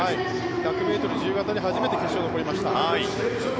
１００ｍ自由形で初めて決勝に残りました。